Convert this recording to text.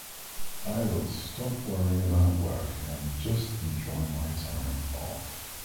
I will stop worrying about work and just enjoy my time off.